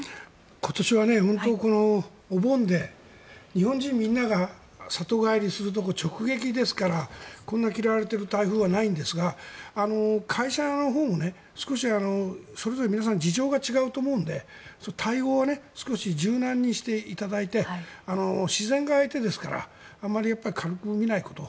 今年は本当にお盆で日本人みんなが里帰りするところを直撃ですからこんな嫌われている台風はないんですが会社のほうも少しそれぞれ皆さん事情が違うと思うので対応を少し柔軟にしていただいて自然が相手ですからあまり軽く見ないこと。